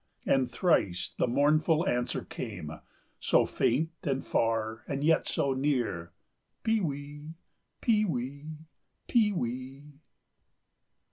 And thrice the mournful answer came, So faint and far and yet so near— 'Pewee! Pewee! Pewee!